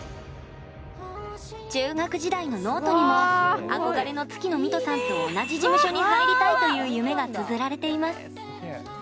中学時代のノートにも憧れの月ノ美兎さんと同じ事務所に入りたいという夢がつづられています。